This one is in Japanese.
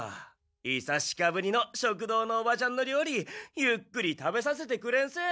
いさしかぶりの食堂のおばちゃんの料理ゆっくり食べさせてくれんせ。